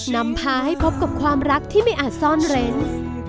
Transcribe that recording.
นำพาให้พบกับความรักที่ไม่อาจซ่อนเร้น